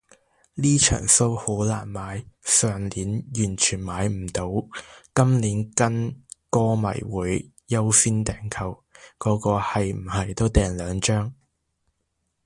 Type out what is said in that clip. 呢場騷好難買，上年完全買唔到，今年跟歌迷會優先訂購，個個係唔係都訂兩張